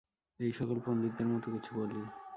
এই সকল পণ্ডিতদের মত কিছু বলি।